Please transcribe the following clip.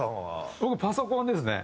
僕パソコンですね。